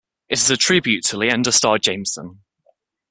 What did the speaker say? It is a tribute to Leander Starr Jameson.